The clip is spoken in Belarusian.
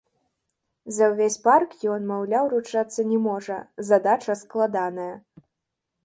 За ўвесь парк ён, маўляў, ручацца не можа, задача складаная.